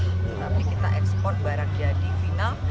tetapi kita ekspor barang jadi final